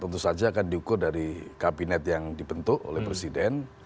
tentu saja akan diukur dari kabinet yang dibentuk oleh presiden